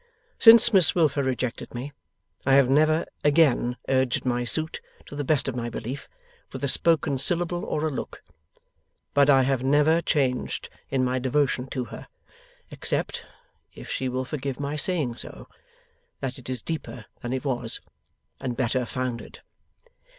Since Miss Wilfer rejected me, I have never again urged my suit, to the best of my belief, with a spoken syllable or a look. But I have never changed in my devotion to her, except if she will forgive my saying so that it is deeper than it was, and better founded.